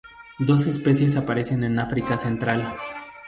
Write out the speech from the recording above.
Dos especies aparecen en África Central.